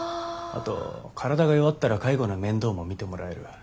あと体が弱ったら介護の面倒も見てもらえる。